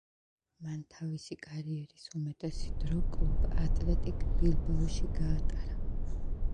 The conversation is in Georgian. მან თავისი კარიერის უმეტესი დრო კლუბ „ატლეტიკ“ ბილბაოში გაატარა.